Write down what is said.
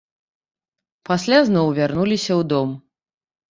Пасля зноў вярнуліся ў дом.